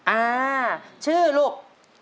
อ่าชื่อลูก